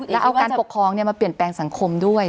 แล้วเอาการปกครองมาเปลี่ยนแปลงสังคมด้วย